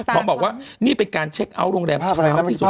ต่อมาบอกว่านี่เป็นการเช็กอาวิทยาลูงแลมชาวที่สุด